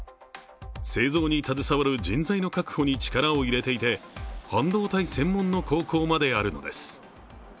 製造に携わる人材の確保に力を入れていて半導体専門の高校まであるのです。